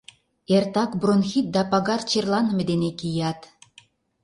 Эртак бронхит да пагар черланыме дене кият.